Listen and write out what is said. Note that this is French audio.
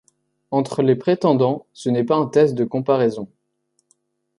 Entre les prétendants, ce n'est pas un test de comparaison.